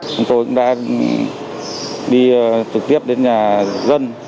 chúng tôi cũng đã đi trực tiếp đến nhà dân